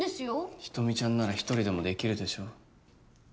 人見ちゃんなら１人でもできるでしょ